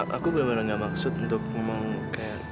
rel aku benar benar enggak maksud untuk mau kayak